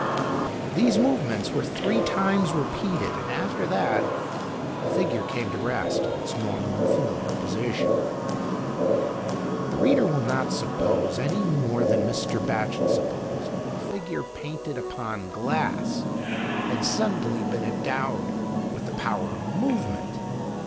These movements were three times repeated,\ and, after that, the figure came to rest in its normal and familiar position. The reader will not suppose, any more than Mr. Batchel supposed, that a figure painted upon glass had suddenly been endowed with the power of movement.